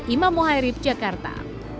imam mohairif jakarta